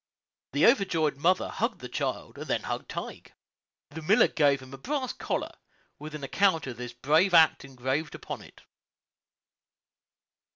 The overjoyed mother hugged the child, and then hugged Tige. The miller gave him a brass collar, with an account of this brave act engraved upon it.